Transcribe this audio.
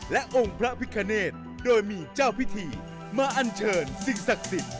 และองค์พระพิคเนตโดยมีเจ้าพิธีมาอันเชิญสิ่งศักดิ์สิทธิ์